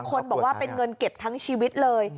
คนบอกว่าเป็นเงินเก็บทั้งชีวิตเลย